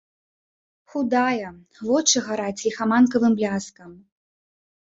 Худая, вочы гараць ліхаманкавым бляскам.